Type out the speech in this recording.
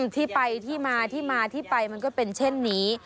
ที่ไปที่มาที่มาที่ไปมันก็เป็นเช่นนี้